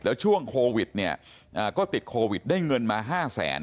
แล้วช่วงโควิดเนี่ยก็ติดโควิดได้เงินมา๕แสน